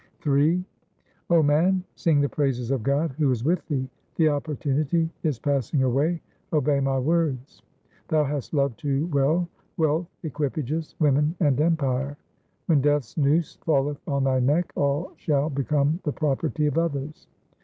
Ill O man, sing the praises of God who is with thee : The opportunity is passing away, obey my words. Thou hast loved too well wealth, equipages, women, and empire. When Death's noose falleth on thy neck, all shall become the property of others.